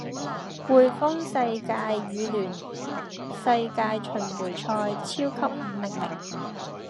滙豐世界羽聯世界巡迴賽超級五零零